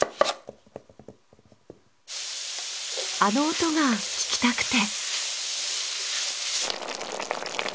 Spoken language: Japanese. あの音が聞きたくて。